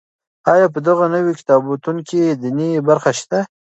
آیا په دغه نوي کتابتون کې دیني برخې شته؟